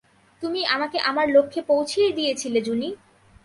তুমি আমাকে আমার লক্ষ্যে পৌঁছেই দিয়ে ছিলে, জুনি।